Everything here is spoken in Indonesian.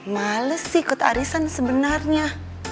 males ikut arisan sebenarnya